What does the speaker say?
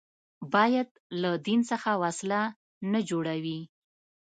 باید له دین څخه وسله نه جوړوي